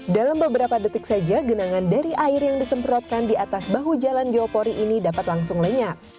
dalam beberapa detik saja genangan dari air yang disemprotkan di atas bahu jalan geopori ini dapat langsung lenyap